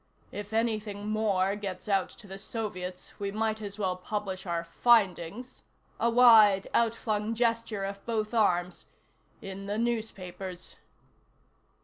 "If anything more gets out to the Soviets, we might as well publish our findings " a wide, outflung gesture of both arms "in the newspapers."